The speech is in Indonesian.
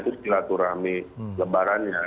itu sekilaturahmi lebarannya